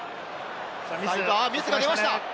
ミスが出ました。